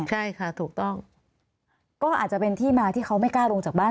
ใช่ค่ะถูกต้องก็อาจจะเป็นที่มาที่เขาไม่กล้าลงจากบ้าน